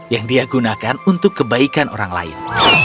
yang dia gunakan untuk kebaikan orang lain